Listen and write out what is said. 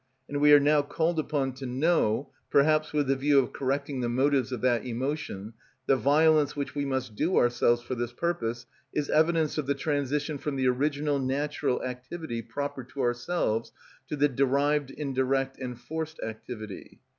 and we are now called upon to know, perhaps with the view of correcting the motives of that emotion, the violence which we must do ourselves for this purpose is evidence of the transition from the original natural activity proper to ourselves to the derived, indirect, and forced activity.